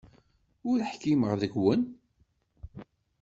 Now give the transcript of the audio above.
Ur ḥkimeɣ deg-wen.